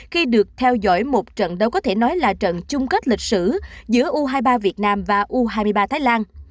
khi được theo dõi một trận đấu có thể nói là trận chung kết lịch sử giữa u hai mươi ba việt nam và u hai mươi ba thái lan